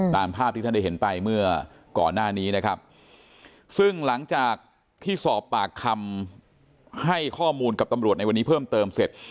ตามภาพที่ท่านได้เห็นไปเมื่อก่อนหน้านี้นะครับซึ่งหลังจากที่สอบปากคำให้ข้อมูลกับตำรวจในวันนี้เพิ่มเติมเสร็จ